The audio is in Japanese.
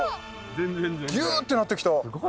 ギューってなってきた。